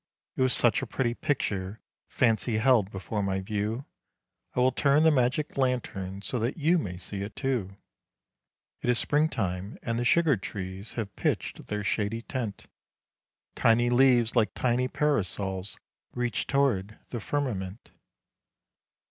It was such a pretty picture Fancy held before my view, I will turn the magic lantern so that you may see it, too. It is springtime and the sugar trees have pitched their shady tent, Tiny leaves like tiny parasols reach toward the firmament.